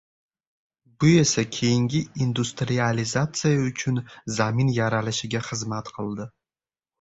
bu esa keyingi industrializatsiya uchun zamin yaralishiga xizmat qildi.